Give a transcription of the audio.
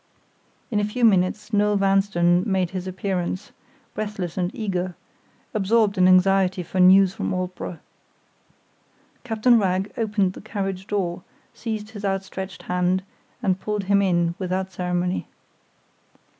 In a few minutes Noel Vanstone made his appearance, breathless and eager—absorbed in anxiety for news from Aldborough. Captain Wragge opened the carriage door, seized his outstretched hand, and pulled him in without ceremony.